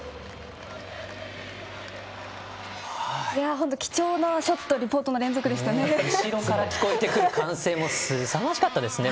本当に貴重なリポートの連続でしたね。